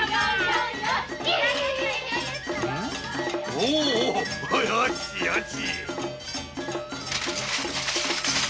おうよしよし。